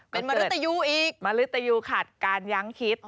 เป็นมะรึดตะยูอีกมะรึดตะยูขัดการยั้งคิด